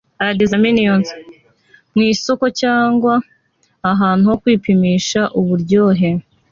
mu isoko cyangwa ahantu ho kwipimisha uburyohe